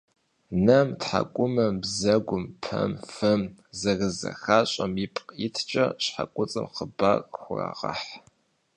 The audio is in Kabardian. Нэм, тхьэкӏумэм, бзэгум, пэм, фэм зэрызыхащӏэм ипкъ иткӏэ щхьэкуцӏым хъыбар «хурагъэхь».